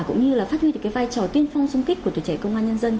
cũng như là phát huy được cái vai trò tiên phong sung kích của tuổi trẻ công an nhân dân